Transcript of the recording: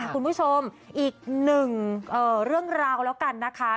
คุณผู้ชมอีกหนึ่งเรื่องราวแล้วกันนะคะ